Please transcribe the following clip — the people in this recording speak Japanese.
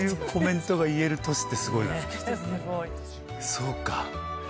そうか。